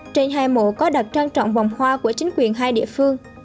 trên hai mẫu có đặt trang trọng vòng hoa của chính quyền hai địa phương